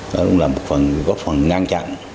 cũng là một góc phần ngang chặn